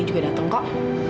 aku juga dateng kok